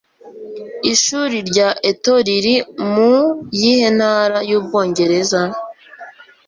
Ishuri rya Eton riri mu yihe Ntara y'ubwongereza?